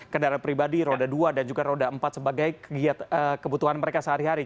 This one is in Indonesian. kendaraan pribadi roda dua dan juga roda empat sebagai kegiatan mereka sehari hari